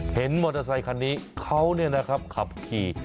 มอเตอร์ไซคันนี้เขาขับขี่